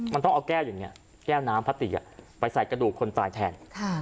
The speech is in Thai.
มันต้องเอาแก้วอย่างนี้แก้วน้ำพลาติไปใส่กระดูกคนตายแทน